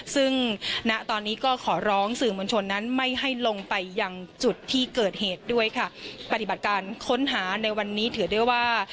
ซึ่งณตอนนี้ก็ขอร้องสื่อมวลชนนั้นไม่ให้ลงไปยังจุดที่เกิดเหตุด้วยค่ะปฏิบัติการค้นหาในวันนี้ถือได้ว่า